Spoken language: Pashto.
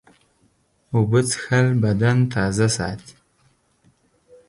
اوبه څښل بدن تازه ساتي.